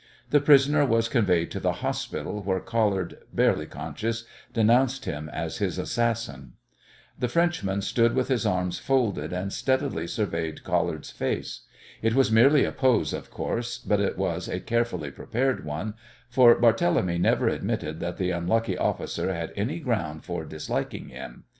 The prisoner was conveyed to the hospital where Collard, barely conscious, denounced him as his assassin. The Frenchman stood with arms folded, and steadily surveyed Collard's face. It was merely a pose, of course, but it was a carefully prepared one, for Barthélemy never admitted that the unlucky officer had any ground for disliking him!